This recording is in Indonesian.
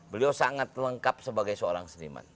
beliau sangat lengkap sebagai seorang seniman